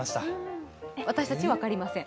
私たち、分かりません。